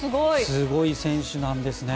すごい選手なんですね。